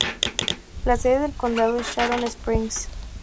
La sede del condado es Sharon Springs.